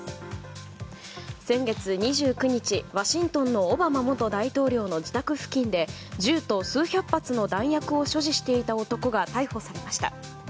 先月２９日、ワシントンのオバマ元大統領の自宅付近で銃と数百発の弾薬を所持していた男が逮捕されました。